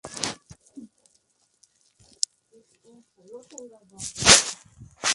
Luego de ese altercado verbal, renunció al programa.